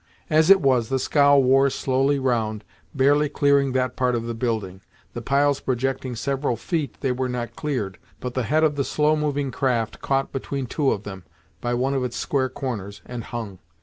As it was, the scow wore slowly round, barely clearing that part of the building. The piles projecting several feet, they were not cleared, but the head of the slow moving craft caught between two of them, by one of its square corners, and hung.